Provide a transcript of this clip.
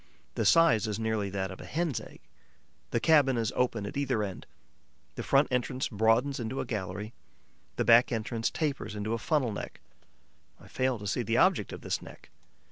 The size is nearly that of a Hen's egg. The cabin is open at either end. The front entrance broadens into a gallery; the back entrance tapers into a funnel neck. I fail to see the object of this neck.